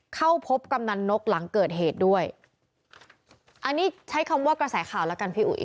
เข้าพบกำนันนกหลังเกิดเหตุด้วยอันนี้ใช้คำว่ากระแสข่าวแล้วกันพี่อุ๋ย